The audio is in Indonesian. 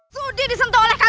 sudi disentuh oleh kalian